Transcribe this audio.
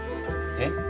えっ？